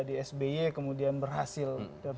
di sby kemudian berhasil